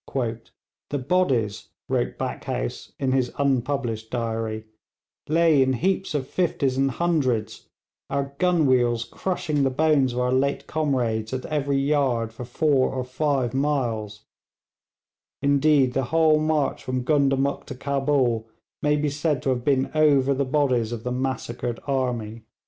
'The bodies,' wrote Backhouse in his unpublished diary, 'lay in heaps of fifties and hundreds, our gun wheels crushing the bones of our late comrades at every yard for four or five miles; indeed, the whole march from Gundamuk to Cabul may be said to have been over the bodies of the massacred army.'